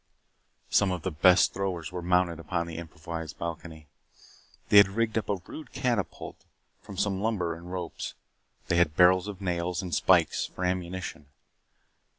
Some of the best throwers were mounted upon the improvised balcony. They had rigged up a rude catapult from some lumber and ropes. They had barrels of nails and spikes for ammunition.